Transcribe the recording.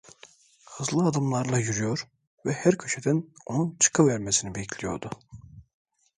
Hızlı adımlarla yürüyor ve her köşeden onun çıkıvermesini bekliyordu.